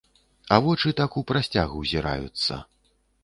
А вочы так у прасцяг узіраюцца.